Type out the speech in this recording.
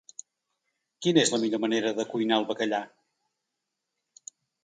Quina és la millor manera de cuinar el bacallà?